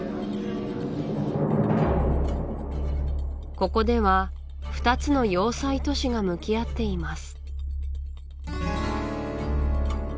ここでは二つの要塞都市が向き合っています